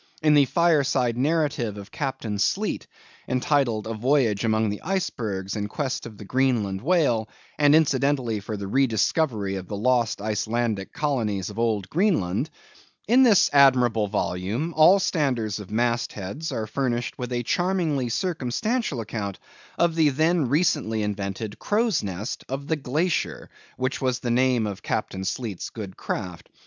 In the fireside narrative of Captain Sleet, entitled "A Voyage among the Icebergs, in quest of the Greenland Whale, and incidentally for the re discovery of the Lost Icelandic Colonies of Old Greenland;" in this admirable volume, all standers of mast heads are furnished with a charmingly circumstantial account of the then recently invented crow's nest of the Glacier, which was the name of Captain Sleet's good craft.